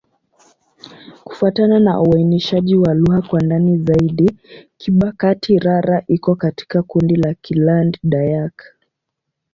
Kufuatana na uainishaji wa lugha kwa ndani zaidi, Kibakati'-Rara iko katika kundi la Kiland-Dayak.